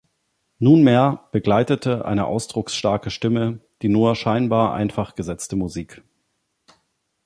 Nunmehr begleitete eine ausdrucksstarke Stimme die nur scheinbar einfach gesetzte Musik.